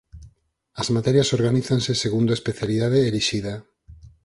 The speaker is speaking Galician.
As materias organízanse segundo a especialidade elixida.